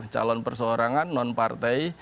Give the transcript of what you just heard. calon persoarangan non partai